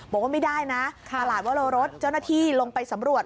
บอกว่าไม่ได้นะตลาดวรรสเจ้าหน้าที่ลงไปสำรวจ